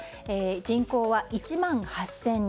人口は１万８０００人。